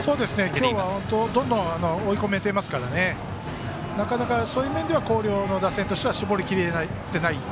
今日はどんどん追い込めてますからなかなか、そういう面では広陵の打線としては絞りきれていない。